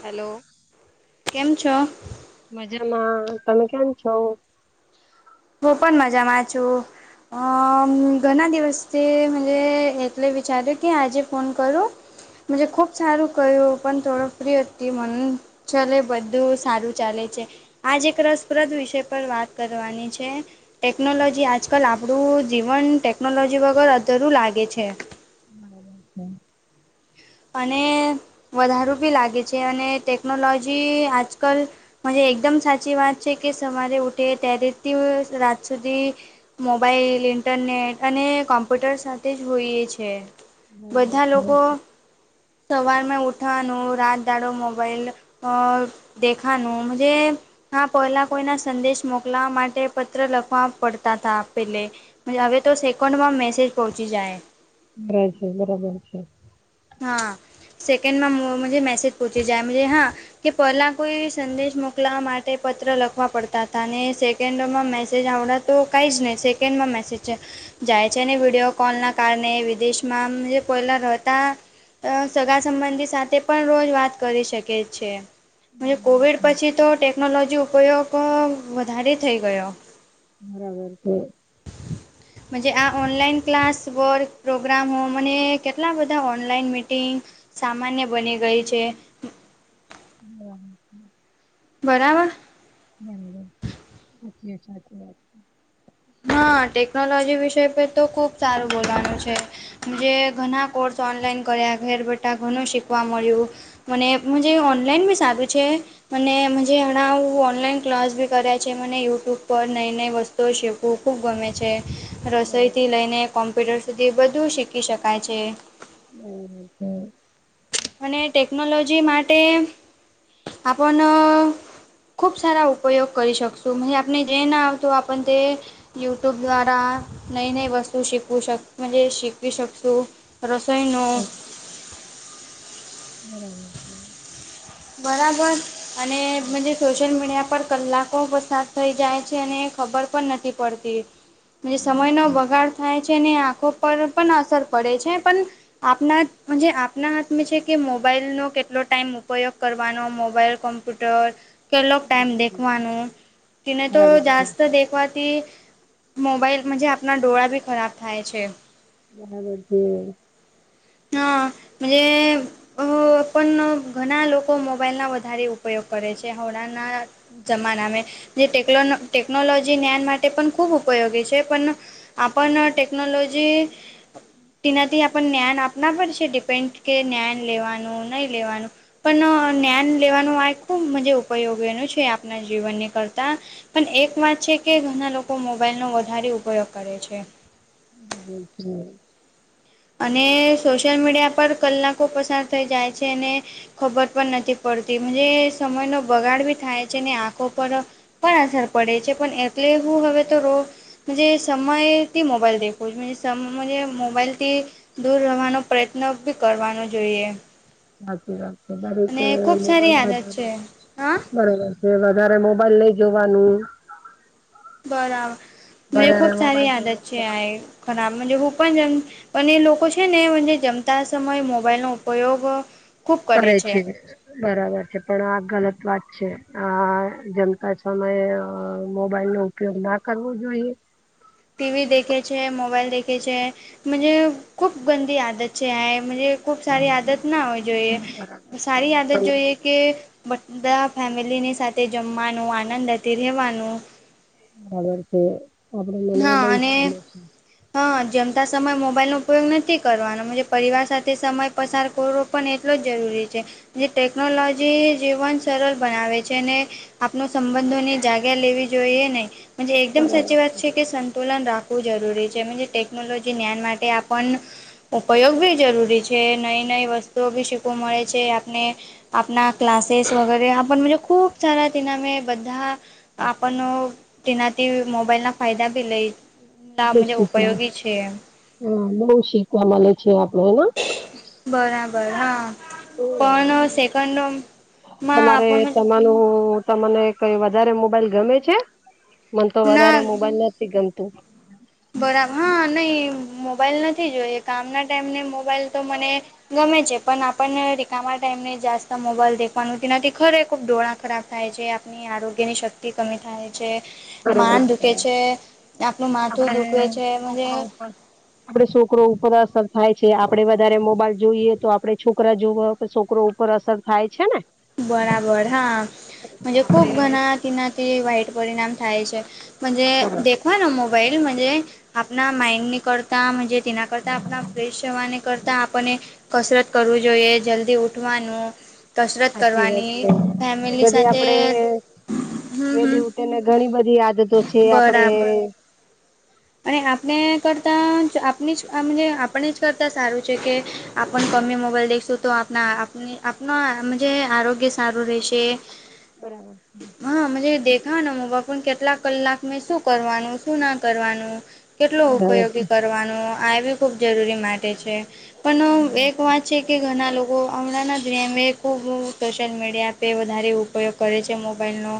Hello કેમ છો? મજામાં તમે કેમ છો? હું પણ મજામાં છું અ ઘણા દિવસથી મને એટલે વિચાર્યું કે આજે ફોન કરું મજ ખૂબ સારું કહ્યું પણ થોડ ફ્રી હતી મન ચલે બધું સારું ચાલે છે આજ એક રસપ્રદ વિષય પર વાત કરવાની છે છે ટેકનોલોજી આજકાલ આપણું જીવન ટેકનોલોજી વગર અધરું લાગે છે [inaudible] અને વધારું બી લાગે છે અને ટેકનોલોજી આજકાલ મજે એકદમ સાચી વાત છે કે સવારે ઉઠે ત્યારેથી રાત સુધી મોબાઈલ ઇન્ટરનેટ અને કોમ્પ્યુટર સાથે જ હોઈએ છે બરાબર બધા છે. લોકો સવાર મેં ઉઠવાનું રાત દાડો મોબાઈલ દેખાનું જે હા પહેલા કોઈના સંદેશ મોકલવા માટે પત્ર લખવા પડતા હતા પેલે હવે તો સેકન્ડમાં મેસેજ પહોંચી જાય બ છે બરાબર છે હા સેકન્ડમાં મજે મેસેજ પૂછી જાય મજે હા કે પહેલા કોઈ સંદેશ મોકલવા માટે પત્ર લખવા પડતા હતા ને સે સેકન્ડમાં મેસેજ આવડાં તો કાંઈ જ નહીં સેકન્ડમાં મેસેજ જાય છે ને વિડીયો કોલ ના કારણે વિદેશમાં જે પલા રહેતા સગા સંબંધી સાથે પણ રોજ વાત કરી શકે છે મજ કોવિડ પછી તો ટેકનોલોજી ઉપયોગ વધારે થઈ ગયો બરાબર છે મજે આ ઓનલાઈન ક્લાસ વર્ક પ્રોગ્રામ હો મને કેટલા બધા ઓ નલાઈન મિટિંગ સામાન્ય બની ગઈ છે હમ બરાબર બબર છે સાચી સાચી વાત છે હા ટેકનોલોજી વિષય પર તો ખુબ સારું બોલવાનું છે જે ઘણા કોર્સ ઓનલાઈન કર્યા ઘેર બેઠા ઘણું શીખવા મળ્યું મને મ જે ઓનલાઈન બી સારૂ છે મને મજે ઘણાં ઓનલાઈન ક્લાસ બી કર્યા છે મને યુટ્યુબ પર નઈ નઈ વસ્તુઓ સીફ્ ખ ખૂબ ગમે છે બરાબર રસોઈથી લઈને કોમ્પ્યુટર સુધી બધું શીખી શકાય છે હમ [inaudible] અને ટેકનોલોજી માટે આપણ ખૂબ સારા ઉપયોગ કરી શકશું મ આપને જે ના આવતું આપને તે યુટ્યુબ દ્વારા નઈ નઈ વસ્તુ શિકવું શક મજ શિકવી શકશું રસોઈનું બરાબર છે બરાબર, અને સ સોશિયલ મીડિયા પર કલાકો પરસદ થઈ જાય છે અને ખબર પણ નથી પડતી. બરાબર સમયનો છે વગાડ થાય છે ને આંખો પર પણ અસર પડે છે પણ આપના આપના હાથમાં છે કે મોબાઈલનો કેટલો ટાઈમ ઉપયોગ કરવાનો મોબાઈલ કોમ્પ્યુટર. કેટલોક બરાબર છે. બરાબર ટાઈમ છે બરાબર છે દેખવાનો, તેને તો બરાબર છે જાસ્ત દેખવાથી મોબાઈલ મજ આપના ડોળા બી ખરાબ થાય છે. બણા બી. હા મજે અ પણ ઘણા લોકો મોબાઈલ ના વધારે ઉપયોગ કરે છે હાવડાના જમાનામે, જેટે ટેકનોલોજી જ્ઞાન માટે પણ ખૂબ ઉપયોગી છે, પણ આપ ટેકનોલોજી તનાથી આપ જ્ાન આપ ના પડ છે ડિપેન્ડ કે જ્ઞાન લેવાનું નહીં લેવાનું. પણ જ્ઞાન લેવાનું આ ખૂબ મજ ઉપયોગીનું છે આપણા જીવનની કરતા. પણ એક વાત છે કે ઘણા લોકો મોબાઈલનો વધારે ઉપયોગ કરે છે. બ છે [unintelligible] અને સોશિયલ મીડિયા પર કલાકો પસાર થઈ જાય છે અને. ખબર પણ નથી પડતી સમય નો બગાડ ભી થાય છે ને આંખો પર પણ અસર પડે છે પણ એટલે હું હવે તો રો જ સમય હતી મોબાઈલ દેખું છ સમજ મોબાઈલ થી દૂર રહેવાનો પ્રયત્ન બી કરવાનો જોઈએ. સાચી રાત છે દરેક અને ખૂબ સારી મોબાઈલ આદત વધારે છે હા બરોબર. એ વધારે મોબાઈલ લઈ જોવાનું. બરાબર, વધારે ખુબ સારી મોબાઈલ આદત છે જોવાથી આ ખરાબજ હું પણ જેમ પણ એ લોકો છે ને જમતા સમયે મોબાઈલ નો ઉપયોગ કરે છે. બરાબર છે પણ આ ગલત વાત છે આ જમતા સમયે મોબાઈલ નો ઉપયોગ ના કરવો જોઈએ. ટીવી દેખે છે મોબાઈલ દેખે છે. મુજે ખૂબ ગંદી આદત છે આજ ખૂબ સારી આદત ના હોય જોઈએ, બરાબર છે સારી આદત તમે જોઈએ. કે, બધા ફેમિલીની સાથે જમવાનું આનંદથી રહેવાનું. અર કે. [unintelligible] હા અને હા જમતા સમય મોબાઈલનો ઉપયોગ નથી કરવાનો પરિવાર સાથે સમય પસાર કરો. પણ એટલો જ જરૂરી છે જે ટેકનોલોજી જીવન સરળ બનાવે છે અને આપનો સંબંધોની જાગ્યા લેવી જોઈએ નહી એકદમ બરાબર સાચી વાત છે સંતુલન રાખવું જરૂરી છે, મનજે ટેકનોલોજી જ્ઞાન માટે આપણ ઉપયોગ બી જરૂરી છે, નઈ નઈ વસ્તુઓ બી શીખવા મળે છે આપને આપણા ક્લાસેસ વગેરે [unintelligible] ખૂબ સારા તેના મે બધા છે આપણનો તેનાથી મોબાઈલના ફાયદા બી લઈ ના બહુ મુજબ શીખવા, ઉપયોગી છે હા બહુ શીખવા મળે છે આપડે એને બરાબર હા પણ સેકન્ડમાં આપણ હલો તમને કઈ વધારે મોબાઈલ ગમે છે, મને તો ના વધારે મોબાઈલ નથી ગમતું. બરાબર હા નઈ મોબાઈલ નથી જોઈએ, કામના ટાઈમને મોબાઈલ તો મને ગમે છે પણ આપણને રિકામા ટાઈમ ને જાસ્ત મોબાઈલ દેખવાનું નથી ખરે ખુબ દોળ ખરાબ થાય છે, આપની આરોગ્યની શક્તિ કમી થાય છે. માન દુખે છે આપણું માન આપડે છોકરા ઉપર આપડે છોકરો ઉપર અસર થાય છે આપડે વધારે મોબાઈલ જોઈએ તો આપડે છોકરા જોવા છોકરો ઉપર અસર થાય છે ને બરાબર હા ખુબ આપડે ઘણા તેનાથી વાઈટ પરિણામ થાય છે. મજે દેખવાનો મોબાઈલ મજે આપણા માઇન્ડ ની કરતાજ મજે તેના કરતાં આપણા ફ્રેશ જવાને કરતાં આપણને કસરત કરવું જોઈએ જલ્દી ઉઠવાનું કસરત સાચી વાત કરવાની છે એ ફેમિલી બધી સાથે આપડે હમ હમ વેલી ઉઠી ને ઘણી બધી આદતો છે આપડે બરાબર અને આપણે કરતા આપને જ આપને જ કરતા સારું છે કે આપણ ગમે મોબાઈલ દેખશું તો આપણા આપ આપણા જે આરોગ્ય સારું રહેશે બરાબર. હા મુજે દેખા ને મોબાઈલ કેટલાક કલાક મેં શું કરવાનું શું ના કરવાનું. કેટલો બરાબર ઉપયોગી કરવાનું આ બી ખૂબ જરૂરી માટે છે પણ છે એક વાત છે. કે ઘણા લોકો હમણાંના દુનિયામે ખૂબ સોશિયલ મીડિયા પે વધારે ઉપ ઉપયોગ કરે છે મોબાઈલનો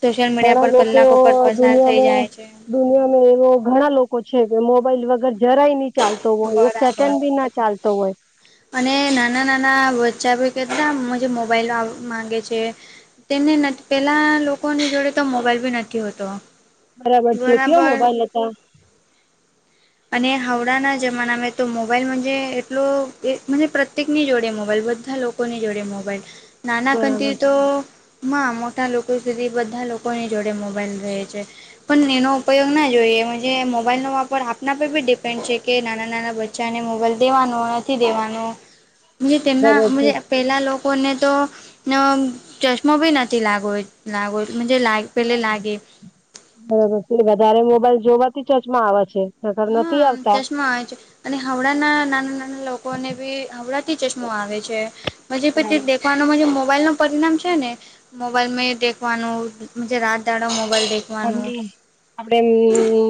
સોશિયલ મીડિયા પર બરાબર છે ઘણા લોકો કલાકો પર પસાર થઈ દુનિયામાં જાય છે. દુનિયામાં એવો ઘણા લોકો છે કે મોબાઈલ વગર જરાય નહી ચાલ તો હોય એક બરાબર સેકન્ડ બી ના ચાલતો હોય. અને નાના નાના વચ્ચા ભી કેટલા મુજે મોબાઈલો માંગે છે. તેમને નથ પહેલાં લોકોની જોડે તો મોબાઈલ બી નથી હોતો. છે કયો બરાબર મોબાઈલ હતા અને હાવડાના જમાનામાં તો મોબાઈલ મુજે એટલો જે પ્રતે પ્રતીક ની જોડે મોબાઈલ બધા લોકોની જોડે મોબાઈલ નાના બરાબર કંતતી તો છે માં મોટા લોકો સુધી બધા લોકોની જોડે મોબાઈલ રહે છે. પણ એનો ઉપયોગ ના જોઈએ જે મોબાઈલનો વાપર આપના પર બી ડિપેન્ડ છે કે નાના નાના બચ્ચાને મોબાઈલ દેવાનો નથી દેવાનો મુજે તેમના બરાબર છે મુજે. પહેલાં લોકોને તો ચશ્મો બી નથી લાગ લાગો લાગ પેલે લાગે બરાબર છે વધારે મોબાઈલ જોવાથી ચર્ચમાં આવે છે. કસર નથી હા આવ. ચશ્મા આવે છે અને હાવડાના નાના નાના લોકોને બી હાવડાથી ચશ્મા આવે છે. પ તે દખવાનુંનો મોબાઈલ નો પરિણામ છે ને મોબાઈલ મેં દેખવાનું રાત દાડ મોબાઈલ દેખ આપડે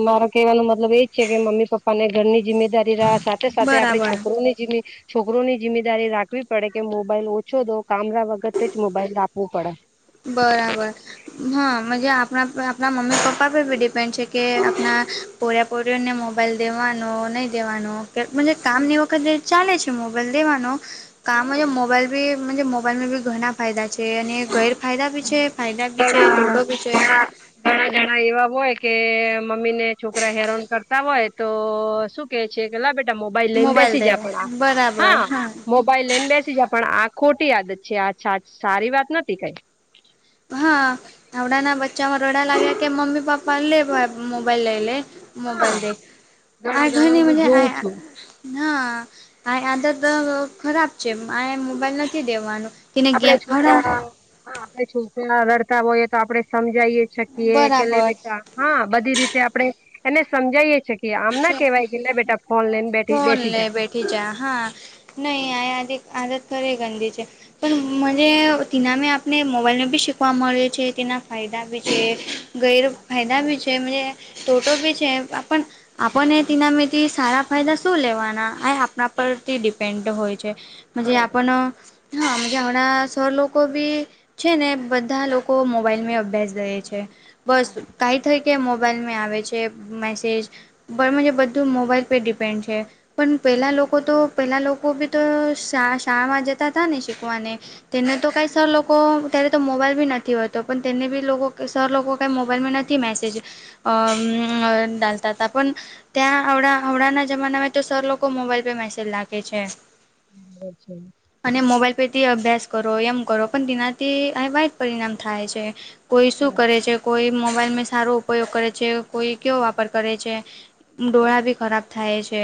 મારો કહેવાનો મતલબ એજ છે કે મમ્મી પપ્પા ને ઘરની જીમે કરી રહયા સાથે સાથે આપડે બરાબર છોકરોની જે છોકરો ની જિમ્મેદારી રાખવી પડે કે મોબાઈલ ઓછો દો કામડા વગતે જ મોબાઈલ રાખવું પડે બરાબર. હા આપણા આપણા મમ્મી પપ્પા પરી ડિપેન્ડ છે કે આપણા. પર્યા પોર્યોને મોબાઈલ દેવાનો નહીં દેવાનો કામ ની વખત ચાલે છે મોબાઈલ દેવાનો કામ મોબાઈલ બી મોબાઈલમાં બી ઘણા ફાયદા છે અને ગેરફાયદા બી છે. ફાયદા બી છે ઘણા ટોટો ભી છે. ઘણા ઘણા જણા એવા હોય કે મમ્મી ને છોકરા હેરાન કરતા હોય તો શું છે કે લ બેટા મોબાઈલ લઈને બેસી જાય આપ હા મો ભાઈ લઈને બેસી જ પણ આ ખોટી આદત છે આ સારી વાત નથી કાઈ હા હડા ના બચ્ચા માં રડા લાગ્યા કે મમ્મી પપ્પા લે મોબાઈલ લઈ લે મ હા મોબાઈલ દે આ ઘણા જણાને ઘણીની હું મજ જોઉં આ છું ના આ આદત ખરાબ છે આ મોબાઈલ નથી દેવાનું. આપણે છોકરા આપણે છોકરા રડતા હોઈએ તો આપડે સમજાઈએ શકીએ કે બરાબર બેટા હા બધી રીતે આપડણે એને સમજાયએ છીએ આમ ના કેહેવાય કે લ બેટા ફોન લઈને બેઠ બેસી જા ટી જા હા નહીં આ આદ આદત કરે ગંધીજે પણ મને તિનામે આપને મોબાઈલને બી શીખવા મળે છે તેના ફાયદા બી છે. ગેરફાયદા ભી છેજ ટોટો ભી છે પણ આપણને તેનામેિતથી સારા ફાયદા શું લેવાના આ આપણા પરથી ડિપેન્ડ હોય છે. જેજ આપ હાજ હણા સૌ લોકોકો બી છે ને બધા લોકો મોબાઈલમાં અભ્યાસ દે છે. બસ કાઈ થઈ કે મોબાઈલમાં આવે છે મેસેજ બ જે બધું મોબાઈલ પરે ડિપેન્ડ છે પણ પેલા લોકો તો પેલા લોકો તો શા શાળામાં જતા હતાા ને શીખવાને તેને તો કઈ સર લોકો. અત્યારે તો મોબાઈલ બી નથી હોતો પણ તેને બી લોકો સર લોકો કાંઈ મોબાઈલમાં નથી મેસેજ અ ડાલતા ત પણ ત્યાં આવડાના જમાનામાં તો સર લોકો મોબાઈલ પે મેસેજ લખે છે. [inaudible] અને મોબાઈલ પરથી અભ્યાસ કરો એમ કરો પણ તેનાથી અ વાઈટ પરિણામ થાય છે. કોઈ શું કરે છે કોઈ મોબાઈલમાં સારો ઉપયોગ કરે છે કોઈ કયો વાપર કરે છે. ડોળા ભી ખરાબ થાય છે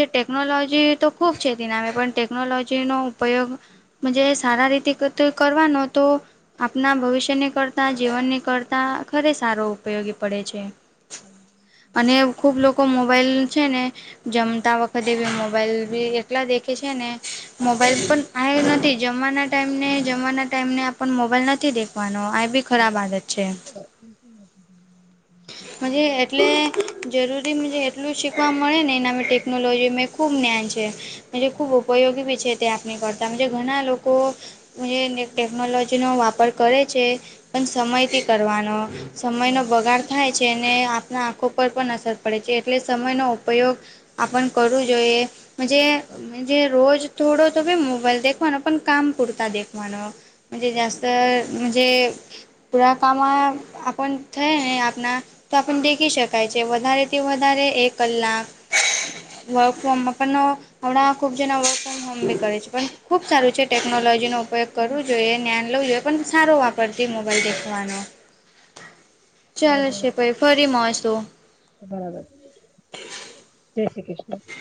જે ટેકનોલોજી તો ખૂબ છેેતી નામે પણ ટેકનોલોજીનો ઉપયોગ. જ સારા રીતે કરવાનો તો આપણા ભવિષ્યની કરતા જીવનની કરતા ખરે સારો ઉપયોગી પડે છે. [inaudible] અને ખૂબ લોકો મોબાઈલ છે ને જમતા વખતે બી મોબાઈલ બી એટલા દેખે છે ને મોબાઈલ પણ આ નથી. જમવાના ટાઈમ ને જમવાના ટાઈમને આપ મોબાઈલ નથી દેખવાનો આ બી ખરાબ આદત છે મજે એટલે [inaudible] જરૂરી મ એટલું જ શીખવા મળે ને એના ટેકનોલોજી ખુબ જ્ઞાન છે. જ ખૂબ ઉપયોગી બી છે તે આપણી કરતા. તજ ઘણા લોકો જે ટેકનોલોજીનો વાપર કરે છે. પણ સમયથી કરવાનો સમયનો બગાડ થાય છેને આપણા આંખો. ઉપ પણ અસર પડે છે એટલે સમયનો ઉપયોગ આપણ કરવો જોઈએ. જજ રોજ થોડો થો ભ મોબાઈલ દેખવાનો પણ કામ પુરતા દેખવાનો. જેજ જસ્ત. જ પૂરા કામ આપણ થઈ ને આપણા તો આપને દેખી શક. શાય છે વધારે થી વધારે એ કલાક. વર્ક ફ્રોમમાં પણ હમણાં ખુબ જણા વર્ક ફ્રોમ હોમ બી કરે છે પણ ખુબ સારું છે. ટેકનોલોજીનો ઉપયોગ કરવો જોઈએ જ્યાઞન લવું જોઈએ. પણ સારો વાપરતી મોબાઈલ દેખવાનો બરાબર ચાલશે પ ફરી મળસું. બરાબર. જય શ્રી કૃષ્ણ. હ.